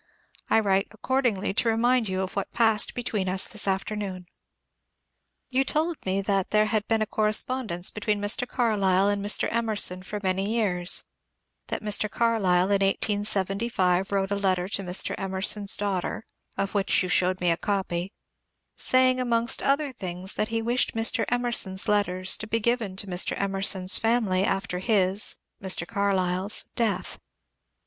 I write accordingly to remind yon of what passed between us this afternoon. 410 MONCURE DANIEL CONWAY You told me that there had been a correspondence between Mr. Carlyle and Mr. Emerson for many years, that Mr. Car lyle in 1875 wrote a letter to Mr. Emerson's daughter (of which you showed me a copy), saying amongst other things that he wished Mr. Emerson's letters to be given to Mr. Em erson's family after his (Mr. Carlyle's) death.